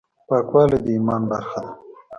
پاکوالی د ایمان برخه ده.